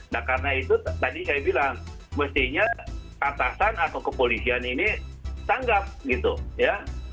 nah karena itu tadi saya bilang mestinya atasan atau kepolisian ini sanggap gitu ya